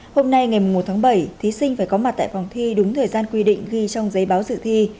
hôm nay ngày một tháng bảy thí sinh phải có mặt tại phòng thi đúng thời gian quy định ghi trong giấy báo dự thi